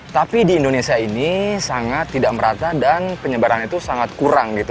tapi di indonesia ini sangat tidak merata dan penyebaran itu sangat kurang gitu